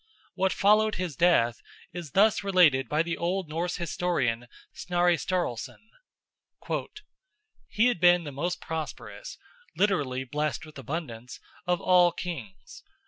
What followed his death is thus related by the old Norse historian Snorri Sturluson: "He had been the most prosperous (literally, blessed with abundance) of all kings.